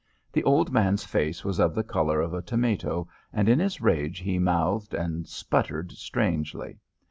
The old man's face was of the colour of a tomato, and in his rage he mouthed and sputtered strangely.